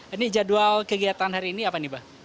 ini jadwal kegiatan hari ini apa nih mbak